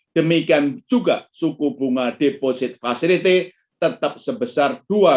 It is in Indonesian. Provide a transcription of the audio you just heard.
demikian juga suku bunga deposit fasilite tetap sebesar dua tujuh puluh lima